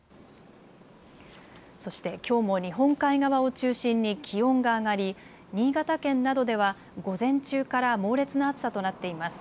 そしてきょうも日本海側を中心に気温が上がり新潟県などでは午前中から猛烈な暑さとなっています。